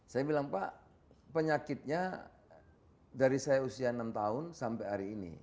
saya bilang pak penyakitnya dari saya usia enam tahun sampai hari ini